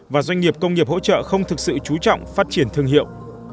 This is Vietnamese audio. và doanh nghiệp công nghiệp hỗ trợ không thực sự trú trọng phát triển thương hiệu